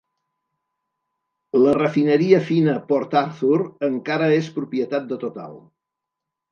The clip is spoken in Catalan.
La refineria Fina Port Arthur encara és propietat de Total.